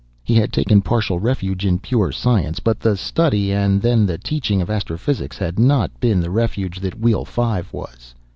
He had taken partial refuge in pure science, but the study and then the teaching of astrophysics had not been the refuge that Wheel Five was.